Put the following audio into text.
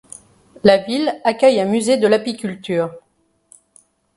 La ville accueille un musée de l’apiculture.